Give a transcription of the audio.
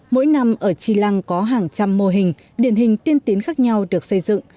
mỗi năm ở tri lăng có hàng trăm mô hình điển hình tiên tiến khác nhau được xây dựng